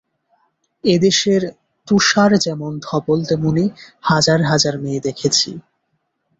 এ দেশের তুষার যেমন ধবল, তেমনি হাজার হাজার মেয়ে দেখেছি।